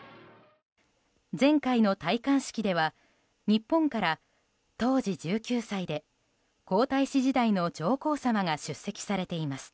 前回の戴冠式では日本から当時１９歳で皇太子時代の上皇さまが出席されています。